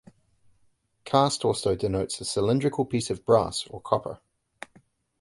Cast also denotes a cylindrical piece of brass or copper.